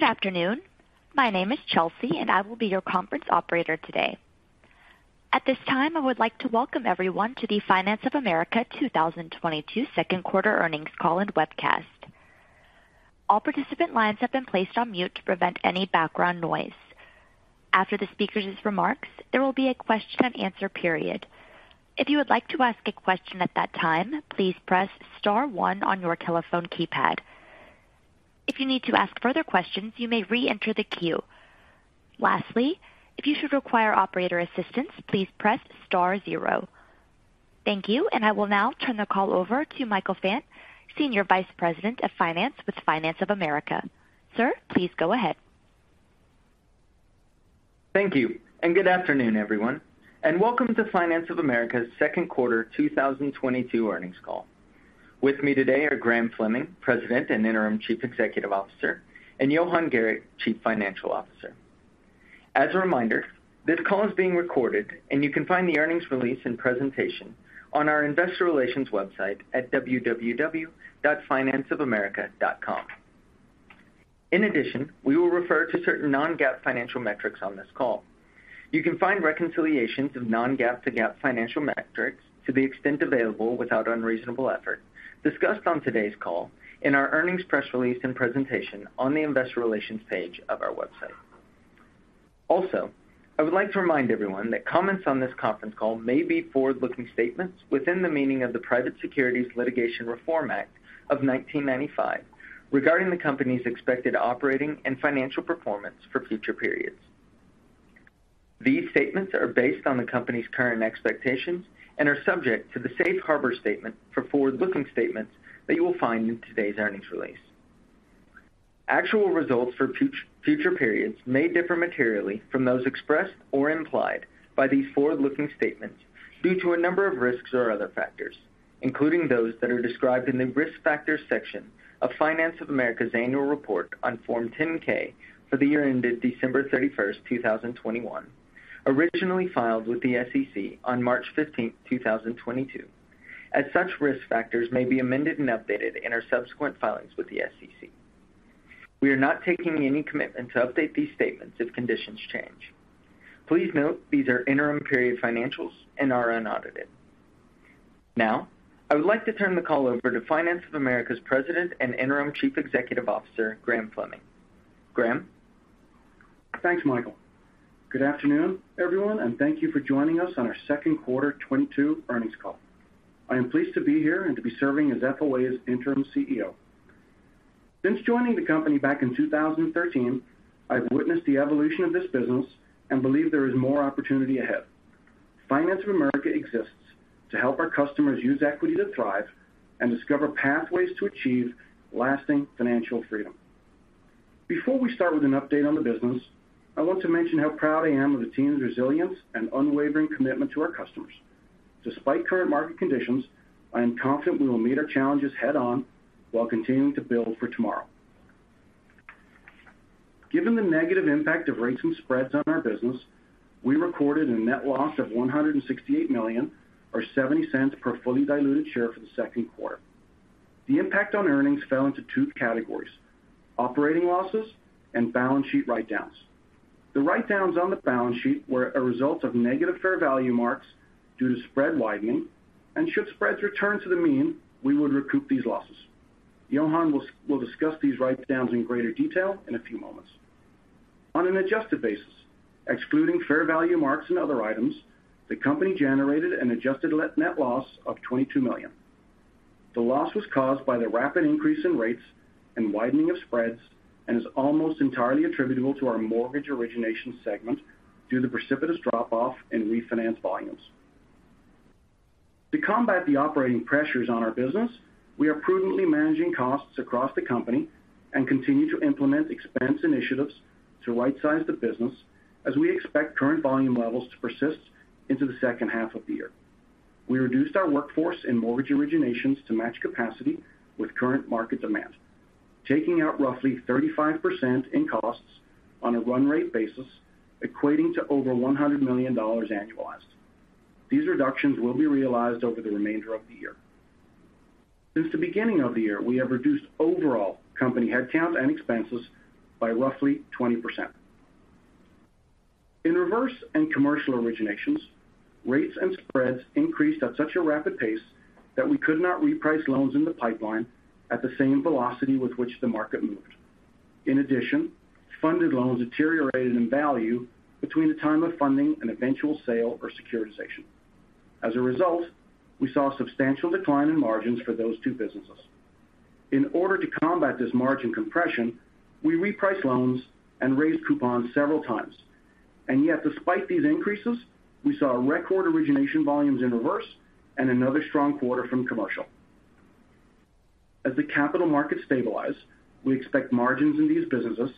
Good afternoon. My name is Chelsea, and I will be your conference operator today. At this time, I would like to welcome everyone to the Finance of America 2022 Second Quarter Earnings Call and Webcast. All participant lines have been placed on mute to prevent any background noise. After the speakers' remarks, there will be a question and answer period. If you would like to ask a question at that time, please press star one on your telephone keypad. If you need to ask further questions, you may re-enter the queue. Lastly, if you should require operator assistance, please press star zero. Thank you, and I will now turn the call over to Michael Fant, Senior Vice President of Finance with Finance of America. Sir, please go ahead. Thank you, and good afternoon, everyone, and welcome to Finance of America's Second Quarter 2022 Earnings Call. With me today are Graham Fleming, President and Interim Chief Executive Officer, and Johan Gericke, Chief Financial Officer. As a reminder, this call is being recorded, and you can find the earnings release and presentation on our investor relations website at www.financeofamerica.com. In addition, we will refer to certain non-GAAP financial metrics on this call. You can find reconciliations of non-GAAP to GAAP financial metrics to the extent available without unreasonable effort discussed on today's call in our earnings press release and presentation on the investor relations page of our website. Also, I would like to remind everyone that comments on this conference call may be forward-looking statements within the meaning of the Private Securities Litigation Reform Act of 1995 regarding the company's expected operating and financial performance for future periods. These statements are based on the company's current expectations and are subject to the safe harbor statement for forward-looking statements that you will find in today's earnings release. Actual results for future periods may differ materially from those expressed or implied by these forward-looking statements due to a number of risks or other factors, including those that are described in the Risk Factors section of Finance of America's Annual Report on Form 10-K for the year ended December 31, 2021, originally filed with the SEC on March 15, 2022. As such risk factors may be amended and updated in our subsequent filings with the SEC. We are not taking any commitment to update these statements if conditions change. Please note these are interim period financials and are unaudited. Now, I would like to turn the call over to Finance of America Companies’ President and Interim Chief Executive Officer, Graham Fleming. Graham? Thanks, Michael. Good afternoon, everyone, and thank you for joining us on our second quarter 2022 earnings call. I am pleased to be here and to be serving as FOA's Interim CEO. Since joining the company back in 2013, I've witnessed the evolution of this business and believe there is more opportunity ahead. Finance of America exists to help our customers use equity to thrive and discover pathways to achieve lasting financial freedom. Before we start with an update on the business, I want to mention how proud I am of the team's resilience and unwavering commitment to our customers. Despite current market conditions, I am confident we will meet our challenges head-on while continuing to build for tomorrow. Given the negative impact of rates and spreads on our business, we recorded a net loss of $168 million or $0.70 per fully diluted share for the second quarter. The impact on earnings fell into two categories, operating losses and balance sheet write-downs. The write-downs on the balance sheet were a result of negative fair value marks due to spread widening, and should spreads return to the mean, we would recoup these losses. Johan will discuss these write-downs in greater detail in a few moments. On an adjusted basis, excluding fair value marks and other items, the company generated an adjusted net loss of $22 million. The loss was caused by the rapid increase in rates and widening of spreads and is almost entirely attributable to our mortgage origination segment due to the precipitous drop-off in refinance volumes. To combat the operating pressures on our business, we are prudently managing costs across the company and continue to implement expense initiatives to rightsize the business as we expect current volume levels to persist into the second half of the year. We reduced our workforce in mortgage originations to match capacity with current market demand, taking out roughly 35% in costs on a run rate basis, equating to over $100 million annualized. These reductions will be realized over the remainder of the year. Since the beginning of the year, we have reduced overall company headcount and expenses by roughly 20%. In reverse and commercial originations, rates and spreads increased at such a rapid pace that we could not reprice loans in the pipeline at the same velocity with which the market moved. In addition, funded loans deteriorated in value between the time of funding and eventual sale or securitization. As a result, we saw a substantial decline in margins for those two businesses. In order to combat this margin compression, we repriced loans and raised coupons several times. Yet, despite these increases, we saw record origination volumes in reverse and another strong quarter from commercial. As the capital markets stabilize, we expect margins in these businesses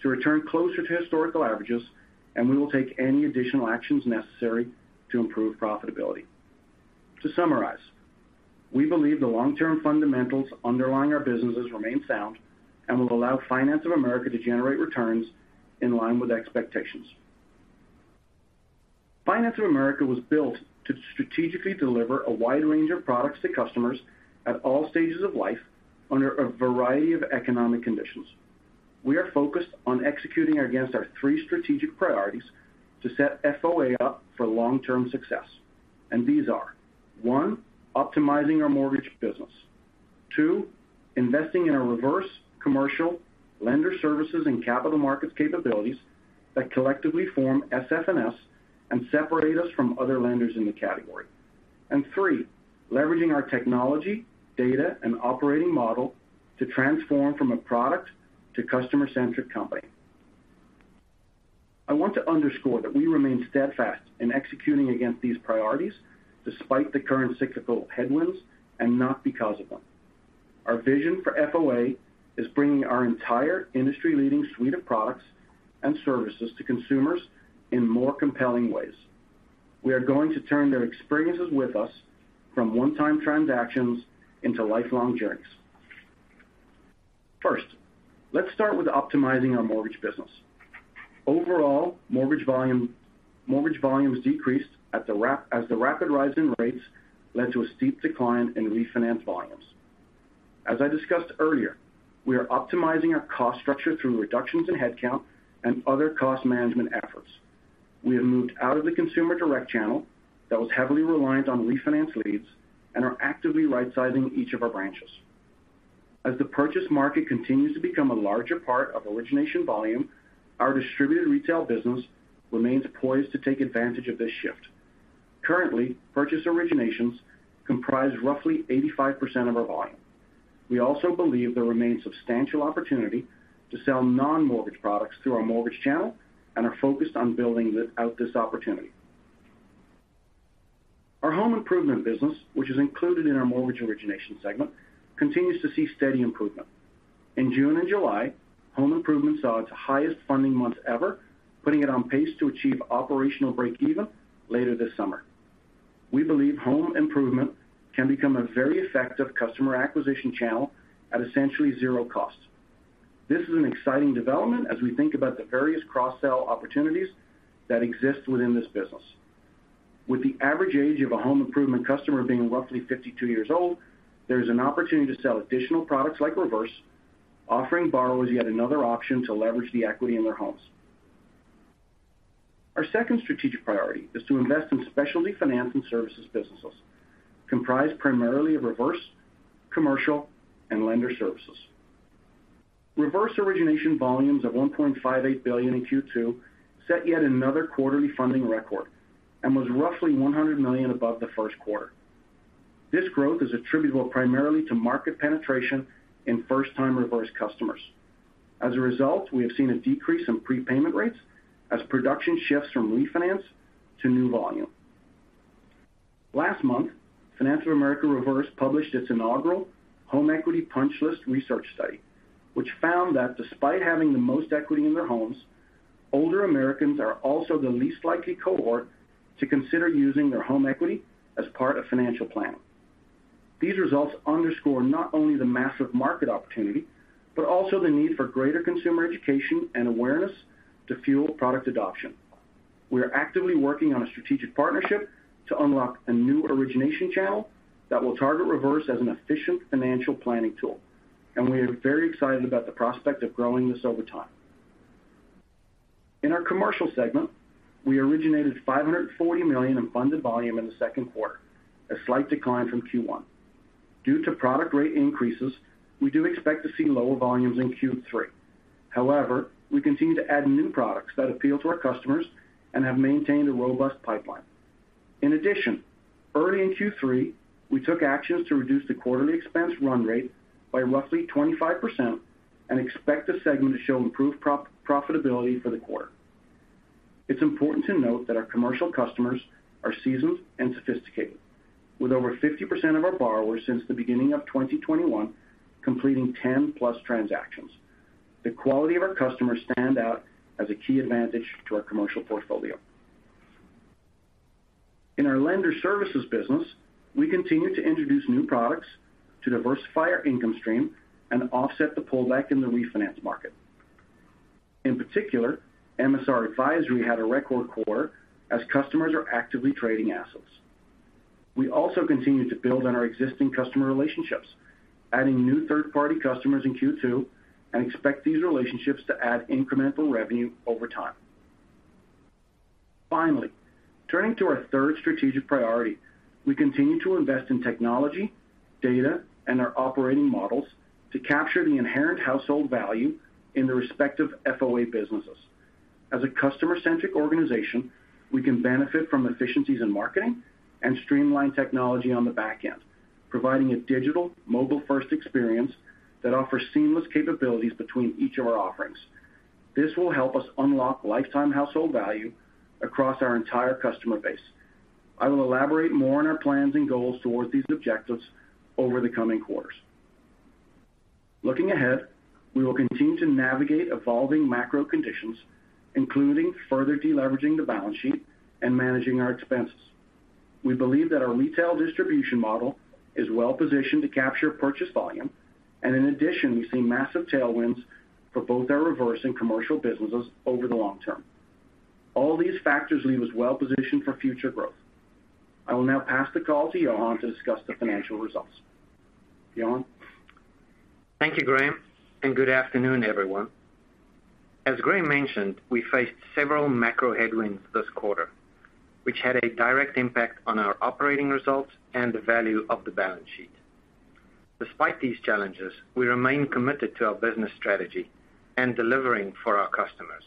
to return closer to historical averages, and we will take any additional actions necessary to improve profitability. To summarize, we believe the long-term fundamentals underlying our businesses remain sound and will allow Finance of America to generate returns in line with expectations. Finance of America was built to strategically deliver a wide range of products to customers at all stages of life under a variety of economic conditions. We are focused on executing against our three strategic priorities to set FOA up for long-term success. These are one, optimizing our mortgage business. Two, investing in our reverse, commercial, lender services, and capital markets capabilities that collectively form SF&S and separate us from other lenders in the category. Three, leveraging our technology, data, and operating model to transform from a product to customer-centric company. I want to underscore that we remain steadfast in executing against these priorities despite the current cyclical headwinds and not because of them. Our vision for FOA is bringing our entire industry-leading suite of products and services to consumers in more compelling ways. We are going to turn their experiences with us from one-time transactions into lifelong journeys. First, let's start with optimizing our mortgage business. Overall, mortgage volumes decreased as the rapid rise in rates led to a steep decline in refinance volumes. As I discussed earlier, we are optimizing our cost structure through reductions in headcount and other cost management efforts. We have moved out of the consumer direct channel that was heavily reliant on refinance leads and are actively rightsizing each of our branches. As the purchase market continues to become a larger part of origination volume, our distributed retail business remains poised to take advantage of this shift. Currently, purchase originations comprise roughly 85% of our volume. We also believe there remains substantial opportunity to sell non-mortgage products through our mortgage channel and are focused on building out this opportunity. Our home improvement business, which is included in our mortgage origination segment, continues to see steady improvement. In June and July, home improvement saw its highest funding month ever, putting it on pace to achieve operational breakeven later this summer. We believe home improvement can become a very effective customer acquisition channel at essentially zero cost. This is an exciting development as we think about the various cross-sell opportunities that exist within this business. With the average age of a home improvement customer being roughly 52 years old, there's an opportunity to sell additional products like reverse, offering borrowers yet another option to leverage the equity in their homes. Our second strategic priority is to invest in Specialty Finance & Services businesses, comprised primarily of reverse, commercial, and lender services. Reverse origination volumes of $1.58 billion in Q2 set yet another quarterly funding record and was roughly $100 million above the first quarter. This growth is attributable primarily to market penetration in first-time reverse customers. As a result, we have seen a decrease in prepayment rates as production shifts from refinance to new volume. Last month, Finance of America Reverse published its inaugural Home Equity Punch List research study, which found that despite having the most equity in their homes, older Americans are also the least likely cohort to consider using their home equity as part of financial plan. These results underscore not only the massive market opportunity, but also the need for greater consumer education and awareness to fuel product adoption. We are actively working on a strategic partnership to unlock a new origination channel that will target reverse as an efficient financial planning tool, and we are very excited about the prospect of growing this over time. In our commercial segment, we originated $540 million in funded volume in the second quarter, a slight decline from Q1. Due to product rate increases, we do expect to see lower volumes in Q3. However, we continue to add new products that appeal to our customers and have maintained a robust pipeline. In addition, early in Q3, we took actions to reduce the quarterly expense run rate by roughly 25% and expect the segment to show improved profitability for the quarter. It's important to note that our commercial customers are seasoned and sophisticated. With over 50% of our borrowers since the beginning of 2021 completing 10+ transactions, the quality of our customers stand out as a key advantage to our commercial portfolio. In our lender services business, we continue to introduce new products to diversify our income stream and offset the pullback in the refinance market. In particular, MSR Advisory had a record quarter as customers are actively trading assets. We also continue to build on our existing customer relationships, adding new third-party customers in Q2 and expect these relationships to add incremental revenue over time. Finally, turning to our third strategic priority, we continue to invest in technology, data, and our operating models to capture the inherent household value in the respective FOA businesses. As a customer-centric organization, we can benefit from efficiencies in marketing and streamline technology on the back end, providing a digital mobile-first experience that offers seamless capabilities between each of our offerings. This will help us unlock lifetime household value across our entire customer base. I will elaborate more on our plans and goals towards these objectives over the coming quarters. Looking ahead, we will continue to navigate evolving macro conditions, including further deleveraging the balance sheet and managing our expenses. We believe that our retail distribution model is well-positioned to capture purchase volume. In addition, we see massive tailwinds for both our reverse and commercial businesses over the long term. All these factors leave us well-positioned for future growth. I will now pass the call to Johan to discuss the financial results. Johan? Thank you, Graham, and good afternoon, everyone. As Graham mentioned, we faced several macro headwinds this quarter, which had a direct impact on our operating results and the value of the balance sheet. Despite these challenges, we remain committed to our business strategy and delivering for our customers.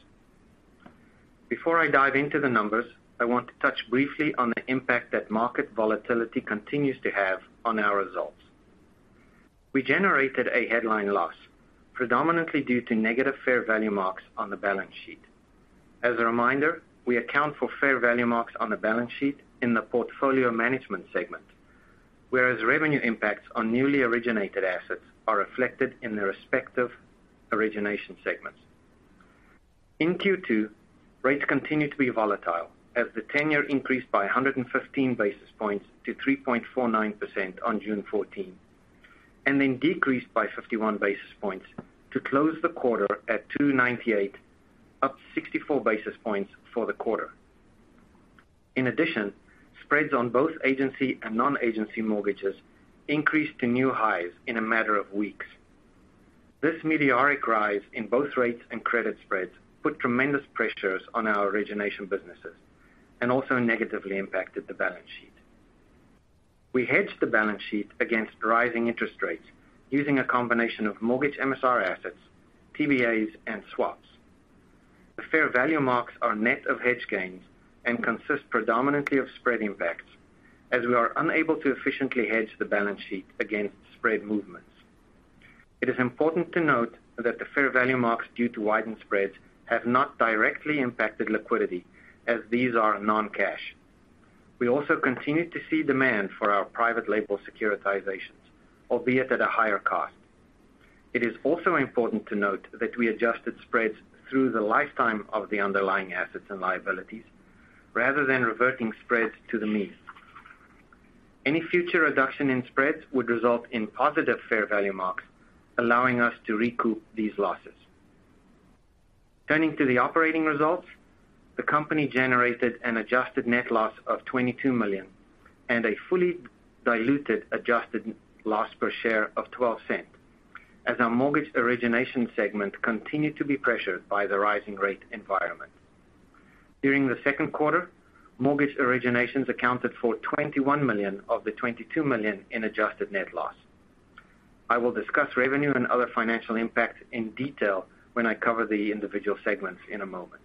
Before I dive into the numbers, I want to touch briefly on the impact that market volatility continues to have on our results. We generated a headline loss predominantly due to negative fair value marks on the balance sheet. As a reminder, we account for fair value marks on the balance sheet in the portfolio management segment, whereas revenue impacts on newly originated assets are reflected in their respective origination segments. In Q2, rates continued to be volatile as the 10-year increased by 115 basis points to 3.49% on June 14th, and then decreased by 51 basis points to close the quarter at 2.98%, up 64 basis points for the quarter. In addition, spreads on both agency and non-agency mortgages increased to new highs in a matter of weeks. This meteoric rise in both rates and credit spreads put tremendous pressures on our origination businesses and also negatively impacted the balance sheet. We hedged the balance sheet against rising interest rates using a combination of mortgage MSR assets, TBAs and swaps. The fair value marks are net of hedge gains and consist predominantly of spread impacts, as we are unable to efficiently hedge the balance sheet against spread movements. It is important to note that the fair value marks due to widened spreads have not directly impacted liquidity, as these are non-cash. We also continue to see demand for our private label securitizations, albeit at a higher cost. It is also important to note that we adjusted spreads through the lifetime of the underlying assets and liabilities rather than reverting spreads to the mean. Any future reduction in spreads would result in positive fair value marks, allowing us to recoup these losses. Turning to the operating results, the company generated an adjusted net loss of $22 million and a fully diluted adjusted loss per share of $0.12 as our mortgage origination segment continued to be pressured by the rising rate environment. During the second quarter, mortgage originations accounted for $21 million of the $22 million in adjusted net loss. I will discuss revenue and other financial impacts in detail when I cover the individual segments in a moment.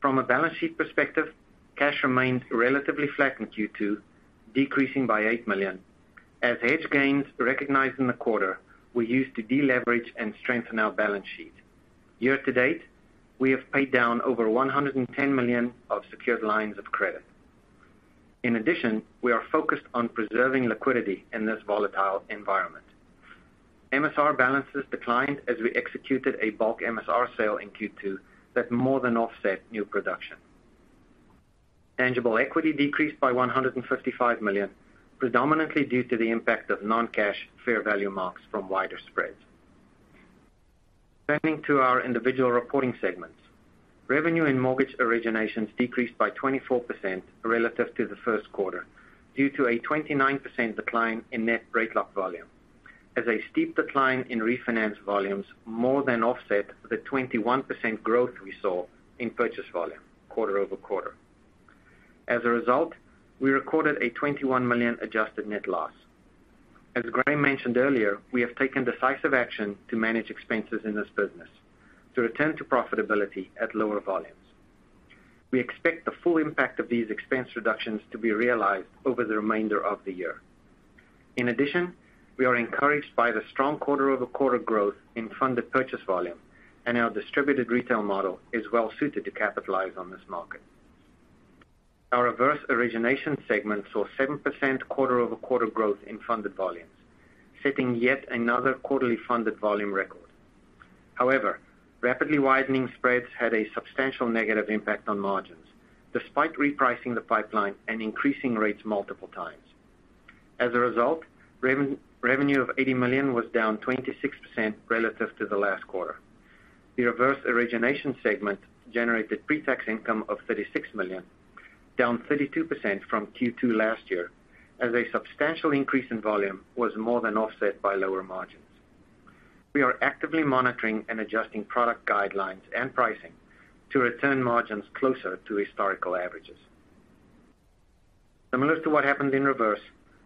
From a balance sheet perspective, cash remained relatively flat in Q2, decreasing by $8 million as hedge gains recognized in the quarter were used to deleverage and strengthen our balance sheet. Year to date, we have paid down over $110 million of secured lines of credit. In addition, we are focused on preserving liquidity in this volatile environment. MSR balances declined as we executed a bulk MSR sale in Q2 that more than offset new production. Tangible equity decreased by $155 million, predominantly due to the impact of non-cash fair value marks from wider spreads. Turning to our individual reporting segments. Revenue in mortgage originations decreased by 24% relative to the first quarter, due to a 29% decline in net rate lock volume as a steep decline in refinance volumes more than offset the 21% growth we saw in purchase volume quarter-over-quarter. As a result, we recorded a $21 million adjusted net loss. As Graham mentioned earlier, we have taken decisive action to manage expenses in this business to return to profitability at lower volumes. We expect the full impact of these expense reductions to be realized over the remainder of the year. In addition, we are encouraged by the strong quarter-over-quarter growth in funded purchase volume, and our distributed retail model is well suited to capitalize on this market. Our reverse origination segment saw 7% quarter-over-quarter growth in funded volumes, setting yet another quarterly funded volume record. However, rapidly widening spreads had a substantial negative impact on margins, despite repricing the pipeline and increasing rates multiple times. As a result, revenue of $80 million was down 26% relative to the last quarter. The reverse origination segment generated pretax income of $36 million, down 32% from Q2 last year, as a substantial increase in volume was more than offset by lower margins. We are actively monitoring and adjusting product guidelines and pricing to return margins closer to historical averages. Similar to what happened in reverse,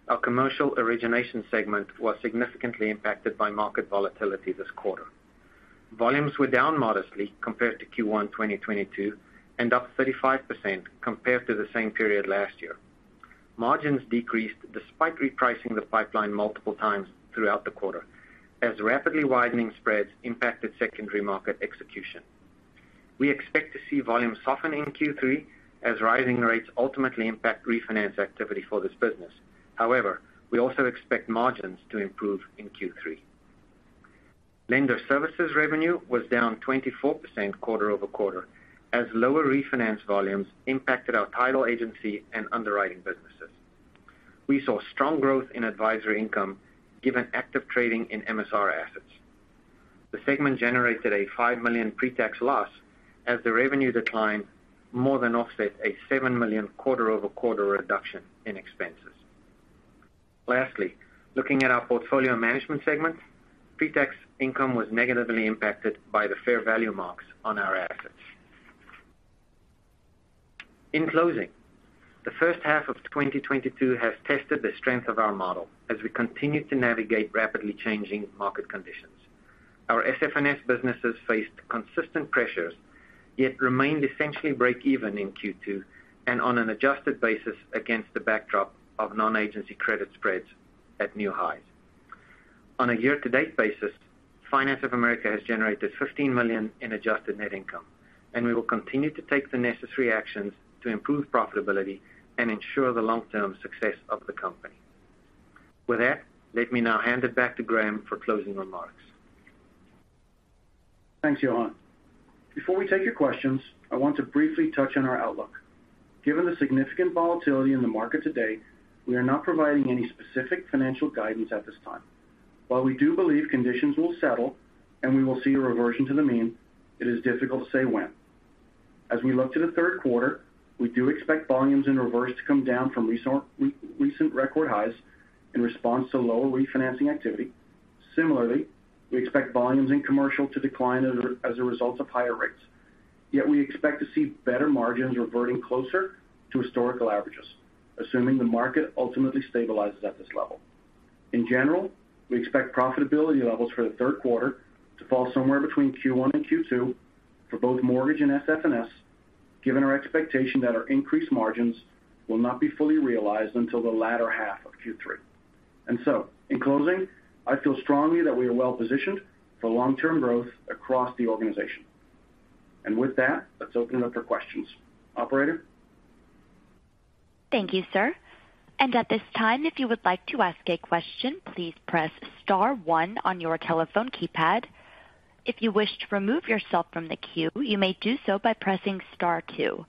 our commercial origination segment was significantly impacted by market volatility this quarter. Volumes were down modestly compared to Q1, 2022, and up 35% compared to the same period last year. Margins decreased despite repricing the pipeline multiple times throughout the quarter as rapidly widening spreads impacted secondary market execution. We expect to see volumes soften in Q3 as rising rates ultimately impact refinance activity for this business. However, we also expect margins to improve in Q3. Lender services revenue was down 24% quarter-over-quarter as lower refinance volumes impacted our title agency and underwriting businesses. We saw strong growth in advisory income given active trading in MSR assets. The segment generated a $5 million pre-tax loss as the revenue decline more than offset a $7 million quarter-over-quarter reduction in expenses. Lastly, looking at our portfolio management segment, pre-tax income was negatively impacted by the fair value marks on our assets. In closing, the first half of 2022 has tested the strength of our model as we continue to navigate rapidly changing market conditions. Our SF&S businesses faced consistent pressures, yet remained essentially breakeven in Q2 and on an adjusted basis against the backdrop of non-agency credit spreads at new highs. On a year-to-date basis, Finance of America has generated $15 million in adjusted net income, and we will continue to take the necessary actions to improve profitability and ensure the long-term success of the company. With that, let me now hand it back to Graham for closing remarks. Thanks, Johan. Before we take your questions, I want to briefly touch on our outlook. Given the significant volatility in the market today, we are not providing any specific financial guidance at this time. While we do believe conditions will settle and we will see a reversion to the mean, it is difficult to say when. As we look to the third quarter, we do expect volumes in reverse to come down from recent record highs in response to lower refinancing activity. Similarly, we expect volumes in commercial to decline as a result of higher rates. Yet we expect to see better margins reverting closer to historical averages, assuming the market ultimately stabilizes at this level. In general, we expect profitability levels for the third quarter to fall somewhere between Q1 and Q2 for both mortgage and SF&S, given our expectation that our increased margins will not be fully realized until the latter half of Q3. In closing, I feel strongly that we are well-positioned for long-term growth across the organization. With that, let's open it up for questions. Operator? Thank you, sir. At this time, if you would like to ask a question, please press star one on your telephone keypad. If you wish to remove yourself from the queue, you may do so by pressing star two.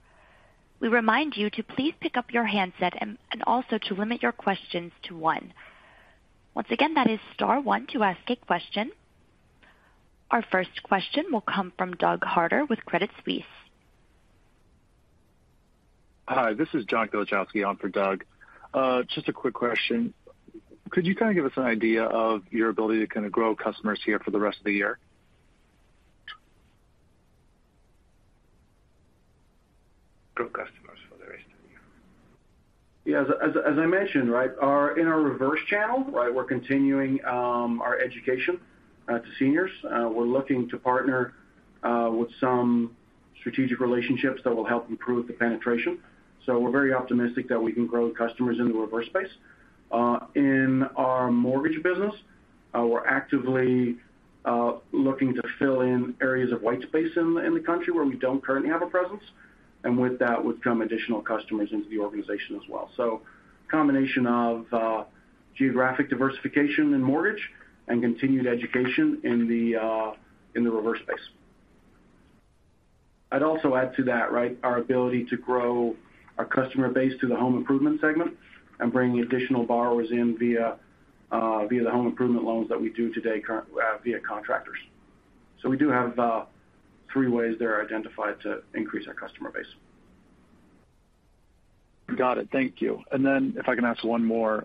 We remind you to please pick up your handset and also to limit your questions to one. Once again, that is star one to ask a question. Our first question will come from Doug Harter with Credit Suisse. Hi, this is John Kilichowski on for Doug Harter. Just a quick question. Could you kind of give us an idea of your ability to kind of grow customers here for the rest of the year? Grow customers for the rest of the year. Yeah. As I mentioned, right, our in our reverse channel, right, we're continuing our education to seniors. We're looking to partner with some strategic relationships that will help improve the penetration. We're very optimistic that we can grow customers in the reverse space. In our mortgage business, we're actively looking to fill in areas of white space in the country where we don't currently have a presence, and with that would come additional customers into the organization as well. Combination of geographic diversification in mortgage and continued education in the reverse space. I'd also add to that, right, our ability to grow our customer base to the home improvement segment and bring additional borrowers in via the home improvement loans that we do today via contractors. We do have three ways that are identified to increase our customer base. Got it. Thank you. If I can ask one more.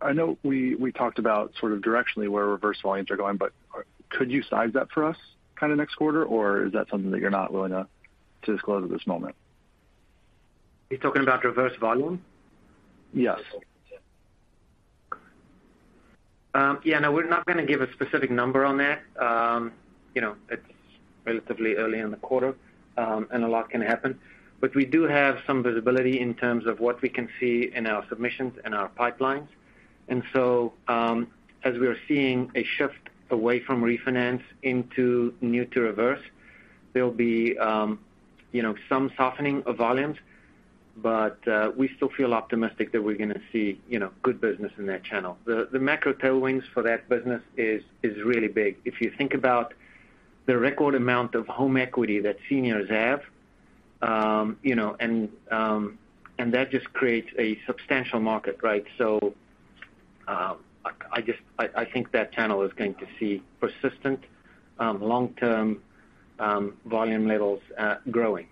I know we talked about sort of directionally where reverse volumes are going, but could you size that for us kind of next quarter, or is that something that you're not willing to disclose at this moment? You're talking about reverse volume? Yes. Yeah, no, we're not gonna give a specific number on that. You know, it's relatively early in the quarter, and a lot can happen. We do have some visibility in terms of what we can see in our submissions and our pipelines. As we are seeing a shift away from refinance into new to reverse, there'll be, you know, some softening of volumes, but we still feel optimistic that we're gonna see, you know, good business in that channel. The macro tailwinds for that business is really big. If you think about the record amount of home equity that seniors have, you know, and that just creates a substantial market, right? I just think that channel is going to see persistent, long-term, volume levels, growing.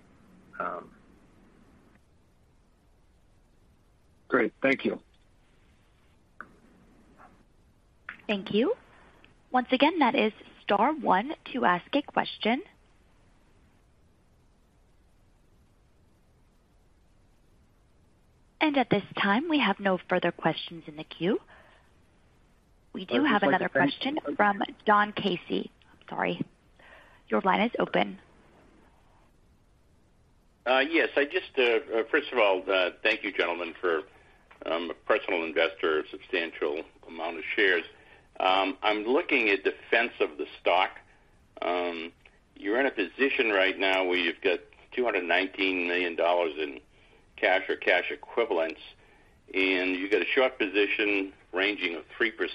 Great. Thank you. Thank you. Once again, that is star one to ask a question. At this time, we have no further questions in the queue. We do have another question from Don Casey. Sorry. Your line is open. Yes, first of all, thank you, gentlemen, for personally investing substantial amount of shares. I'm looking at defense of the stock. You're in a position right now where you've got $219 million in cash or cash equivalents, and you've got a short interest of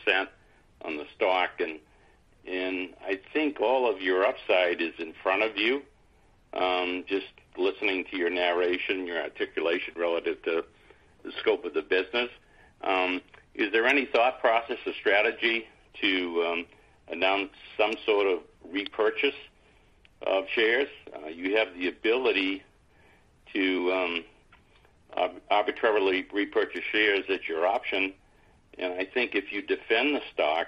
3% on the stock. I think all of your upside is in front of you, just listening to your narration, your articulation relative to the scope of the business. Is there any thought process or strategy to announce some sort of repurchase of shares? You have the ability to arbitrarily repurchase shares at your option. I think if you defend the stock,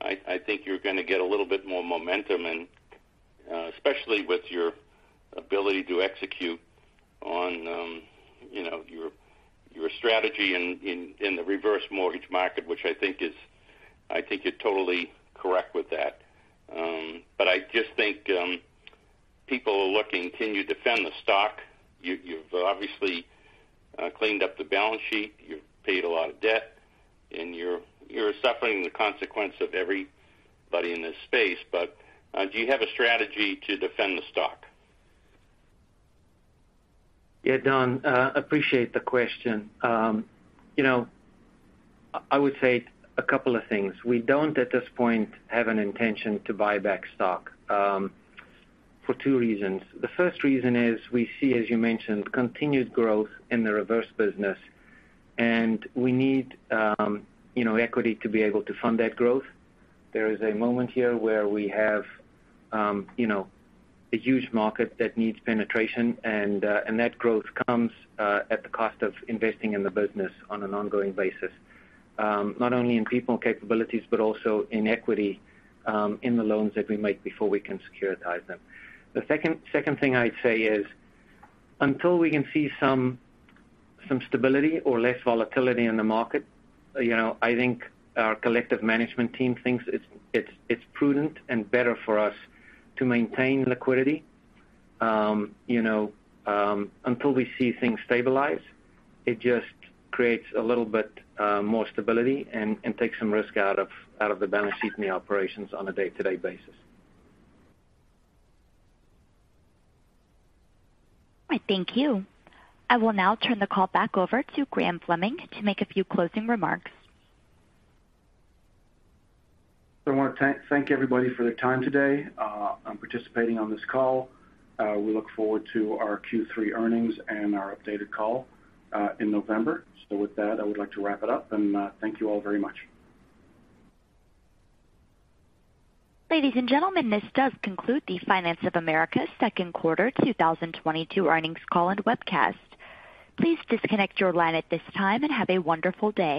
I think you're gonna get a little bit more momentum, and especially with your ability to execute on, you know, your strategy in the reverse mortgage market, which I think is. I think you're totally correct with that. I just think people are looking. Can you defend the stock? You've obviously cleaned up the balance sheet, you've paid a lot of debt, and you're suffering the consequence of everybody in this space. Do you have a strategy to defend the stock? Yeah, Don, appreciate the question. You know, I would say a couple of things. We don't, at this point, have an intention to buy back stock, for two reasons. The first reason is we see, as you mentioned, continued growth in the reverse business, and we need, you know, equity to be able to fund that growth. There is a moment here where we have, you know, a huge market that needs penetration, and that growth comes, at the cost of investing in the business on an ongoing basis, not only in people and capabilities, but also in equity, in the loans that we make before we can securitize them. The second thing I'd say is, until we can see some stability or less volatility in the market, you know, I think our collective management team thinks it's prudent and better for us to maintain liquidity, you know, until we see things stabilize. It just creates a little bit more stability and takes some risk out of the balance sheet and the operations on a day-to-day basis. All right. Thank you. I will now turn the call back over to Graham Fleming to make a few closing remarks. I wanna thank everybody for their time today in participating in this call. We look forward to our Q3 earnings and our updated call in November. With that, I would like to wrap it up, and thank you all very much. Ladies and gentlemen, this does conclude the Finance of America's second quarter 2022 earnings call and webcast. Please disconnect your line at this time, and have a wonderful day.